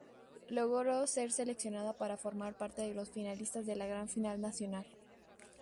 Logró ser seleccionada para formar parte de los finalistas de la gran final nacional.